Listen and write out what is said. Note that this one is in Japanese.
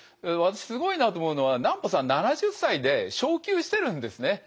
私すごいなと思うのは南畝さん７０歳で昇給してるんですね。